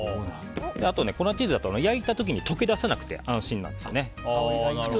あと粉チーズだと焼いた時に溶け出さなくて安心なんですね。